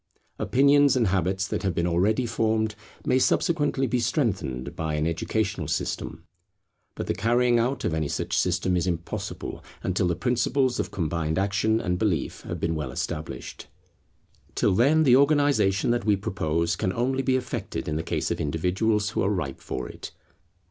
Opinions and habits that have been already formed may subsequently be strengthened by an educational system; but the carrying out of any such system is impossible, until the principles of combined action and belief have been well established. Till then the organization that we propose can only be effected in the case of individuals who are ripe for it.